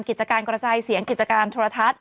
กิจการกระจายเสียงกิจการโทรทัศน์